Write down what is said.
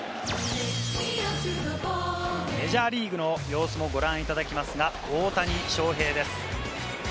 メジャーリーグの様子もご覧いただきますが、大谷翔平です。